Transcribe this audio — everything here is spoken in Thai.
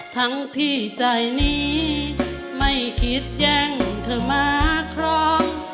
ทั้งที่ใจนี้ไม่คิดแย่งเธอมาครอง